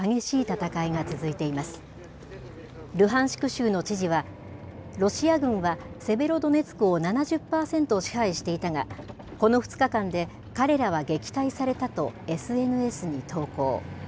州の知事は、ロシア軍はセベロドネツクを７０％支配していたが、この２日間で、彼らは撃退されたとＳＮＳに投稿。